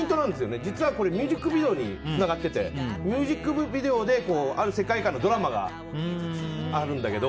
実はこれ、ミュージックビデオにつながっていてミュージックビデオである世界観のドラマがあるんだけど。